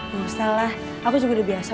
gak usah lah aku juga udah biasa